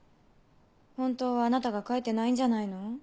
本当はあなたが書いてないんじゃないの？